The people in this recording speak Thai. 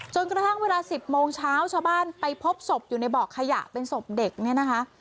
กระทั่งเวลา๑๐โมงเช้าชาวบ้านไปพบศพอยู่ในบ่อขยะเป็นศพเด็กเนี่ยนะคะ